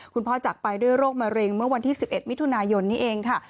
จากไปด้วยโรคมะเร็งเมื่อวันที่๑๑มิถุนายนนี้เองค่ะ